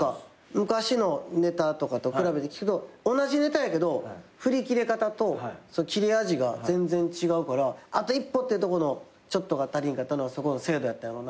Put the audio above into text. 昔のネタとかと比べて聞くと同じネタやけど振り切れ方と切れ味が全然違うからあと一歩ってとこのちょっとが足りひんかったのはそこの精度やったんやろな。